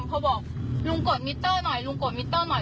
เขาบอกลุงกดมิเตอร์หน่อยลุงกดมิเตอร์หน่อย